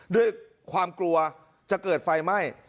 ด้วยความกลัวจะเกิดไฟไหม้